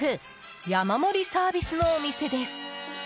山盛りサービスのお店です。